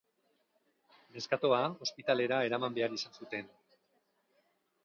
Neskatoa ospitalera eraman behar izan zuten.